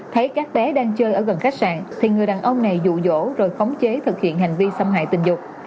thấy các bé đang chơi ở gần khách sạn thì người đàn ông này rụ rỗ rồi khống chế thực hiện hành vi xâm hại tình dục